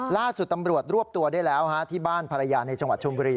ล่าสุดตำรวจรวบตัวได้แล้วที่บ้านภรรยาในจังหวัดชมบุรี